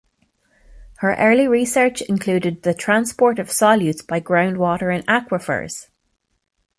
Her early research included the transport of solutes by groundwater in aquifers.